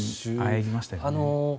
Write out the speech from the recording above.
あえぎましたよね。